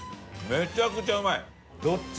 めちゃくちゃうまい！